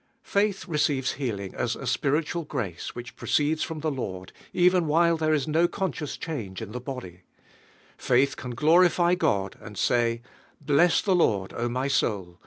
Faith re iiivis healing as a spiritual grace will eh proceeds from the Lord even while (here is no conscious change in the body, Faith can glorify God and suy, "Bless the Lord, O my soul